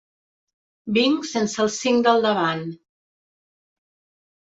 Vinc sense els cinc del davant.